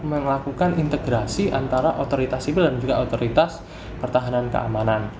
melakukan integrasi antara otoritas sibel dan juga otoritas pertahanan keamanan